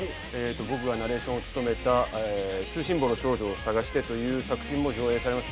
僕がナレーションを務めた「通信簿の少女を探して」という作品も上映されます